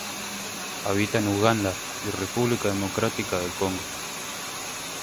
Habita en Uganda y República Democrática del Congo.